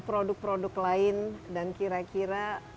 produk produk lain dan kira kira